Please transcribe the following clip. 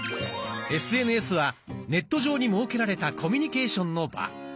ＳＮＳはネット上に設けられたコミュニケーションの場。